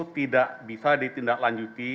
tidak bisa ditindaklanjuti